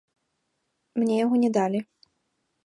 Мне яго не далі.